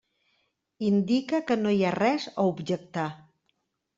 Indica que no hi ha res a objectar.